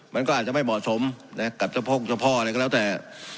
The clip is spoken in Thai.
มันก็อาจจะไม่เหมาะสมกับสะโพกสะพ่ออะไรก็แล้วแต่